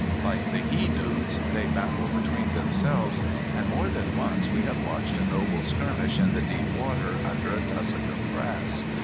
Like the he newts, they battle between themselves, and more than once we have watched a noble skirmish in the deep water under a tussock of grass.